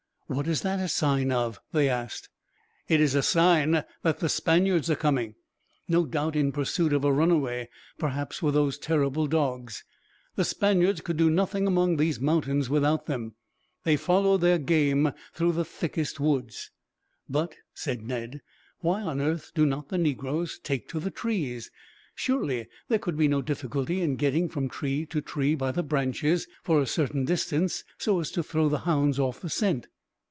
"What is that a sign of?" they asked. "It is a sign that the Spaniards are coming. No doubt in pursuit of a runaway; perhaps with those terrible dogs. The Spaniards could do nothing among these mountains without them. They follow their game through the thickest woods." "But," said Ned, "why on earth do not the negroes take to the trees? Surely there could be no difficulty in getting from tree to tree by the branches, for a certain distance, so as to throw the hounds off the scent."